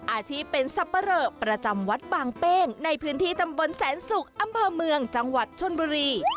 อาชีพเป็นสับปะเรอประจำวัดบางเป้งในพื้นที่ตำบลแสนศุกร์อำเภอเมืองจังหวัดชนบุรี